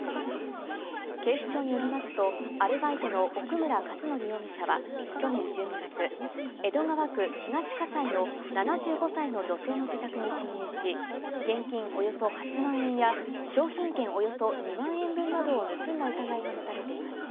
警視庁によりますとアルバイトの奥村勝典容疑者は去年１２月、江戸川区東葛西の７５歳の女性の自宅に侵入し、現金およそ８万円や商品券およそ２万円分などを盗んだ疑いが持たれています。